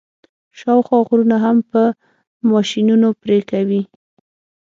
شاوخوا غرونه هم په ماشینونو پرې کوي.